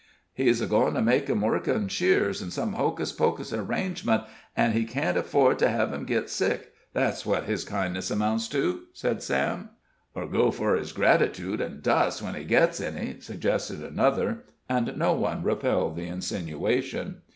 "He's goin' to make him work on sheers, or some hocus pocusin' arrangement, an' he can't afford to hev him git sick. That's what his kindness amounts to," said Sam. "Ur go fur his gratitude and dust, when he gets any," suggested another, and no one repelled the insinuation.